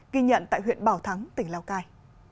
ghi nhận tại huyện bảo thắng tỉnh lào cai